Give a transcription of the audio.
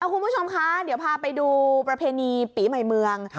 คุณผู้ชมคะเดี๋ยวพาไปดูประเพณีปีใหม่เมือง